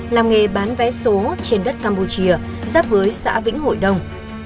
làm nghề bán vé số trên đất campuchia giáp với xã vĩnh hội đông